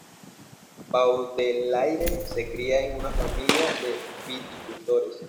Baudelaire se cría en una familia de viticultores.